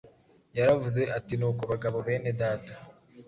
Yaravuze ati, “Nuko bagabo bene Data,